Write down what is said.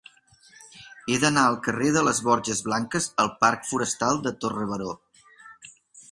He d'anar del carrer de les Borges Blanques al parc Forestal de Torre Baró.